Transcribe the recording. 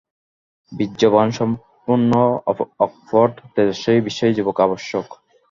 বীর্যবান্, সম্পূর্ণ অকপট, তেজস্বী, বিশ্বাসী যুবক আবশ্যক।